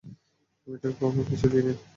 আমি তাকে কখনো কিছুই দিইনি।